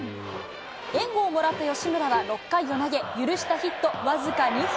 援護をもらった吉村は６回を投げ、許したヒット僅か２本。